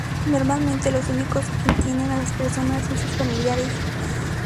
Normalmente, los únicos que entienden a la persona son sus familiares.